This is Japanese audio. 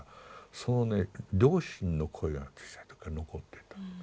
そのね両親の声が小さい時から残ってた。